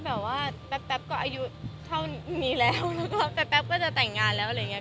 แบบว่าแป๊บก็อายุเท่านี้แล้วแป๊บก็จะแต่งงานแล้วอะไรอย่างนี้